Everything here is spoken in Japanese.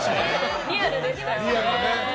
リアルでしたよね。